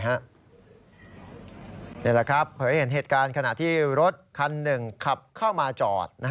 นี่แหละครับเผยเห็นเหตุการณ์ขณะที่รถคันหนึ่งขับเข้ามาจอด